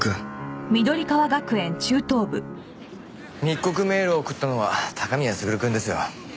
密告メールを送ったのは高宮優くんですよ。